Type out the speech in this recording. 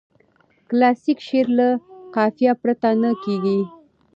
کلاسیک شعر له قافیه پرته نه کیږي.